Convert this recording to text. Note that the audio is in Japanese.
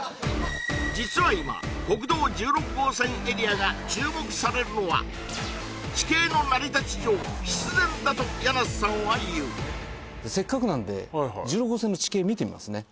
実は今国道１６号線エリアが注目されるのは地形の成り立ち上必然だと柳瀬さんは言うせっかくなんで１６号線の地形見てみますね